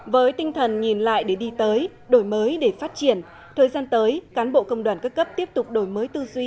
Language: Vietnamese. với tinh thần nhìn lại để đi tới đổi mới để phát triển thời gian tới cán bộ công đoàn các cấp tiếp tục đổi mới tư duy